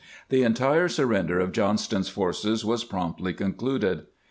The entire surrender of Johnston's forces was promptly concluded.